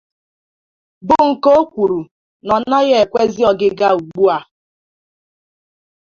' bụ nke o kwuru na ọ naghị ekwezị ọgịga ugbua